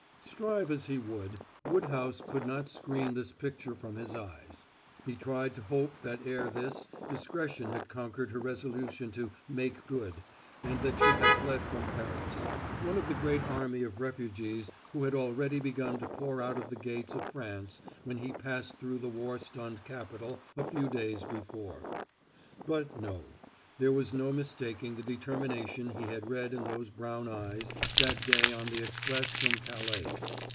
Strive as he would, Woodhouse could not screen this picture from his eyes. He tried to hope that ere this, discretion had conquered her resolution to "make good," and that she had fled from Paris, one of the great army of refugees who had already begun to pour out of the gates of France when he passed through the war stunned capital a few days before. But, no; there was no mistaking the determination he had read in those brown eyes that day on the express from Calais.